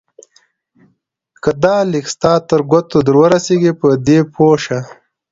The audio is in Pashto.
که دا لیک ستا تر ګوتو درورسېږي په دې پوه شه.